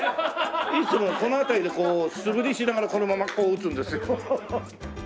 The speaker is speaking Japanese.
いつもこの辺りでこう素振りしながらこのままこう打つんですよ。